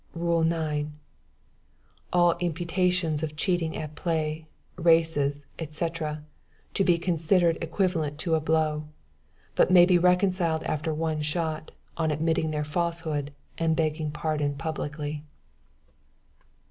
"Rule 9. All imputations of cheating at play, races, &c, to be considered equivalent to a blow; but may be reconciled after one shot, on admitting their falsehood, and begging pardon publicly.